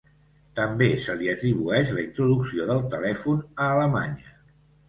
També se li atribueix la introducció del telèfon a Alemanya.